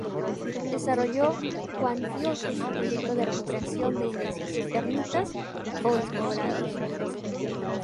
Desarrolló cuantiosos proyectos de recuperación de iglesias, ermitas o despoblados.